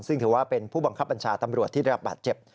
ซึ่งถือว่าเป็นผู้บังคับบัญชาตำรวจที่ได้รับบาดเจ็บ